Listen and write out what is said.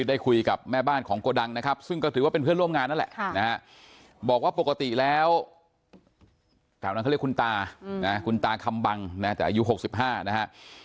แต่ว่านั้นเขาเรียกคุณตานะครับคุณตาขำบังนะจากอายุหกสิบห้านะครับ